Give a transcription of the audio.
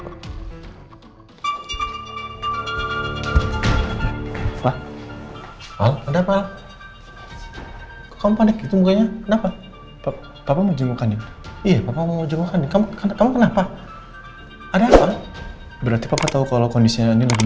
tapi mungkin juga karena yang lain